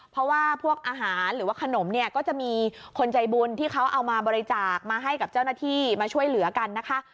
เพราะว่าพวกอาหารหรือว่าขนมเนี่ยก็จะมีคนใจบุญที่เขาเอามาบริจาคมาให้กับเจ้าหน้าที่มาช่วยเหลือกันนะคะ